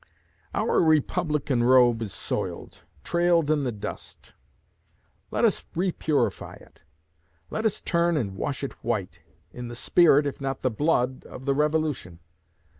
Our Republican robe is soiled trailed in the dust. Let us repurify it. Let us turn and wash it white, in the spirit, if not the blood, of the Revolution.